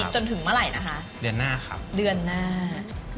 จนถึงเมื่อไหร่นะคะเรือนหน้าค่ะ